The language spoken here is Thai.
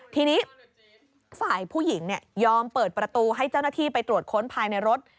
ทีนี้ฝ่ายผู้หญิงยอมเปิดประตูให้เจ้าหน้าที่ไปตรวจค้นภายในรถ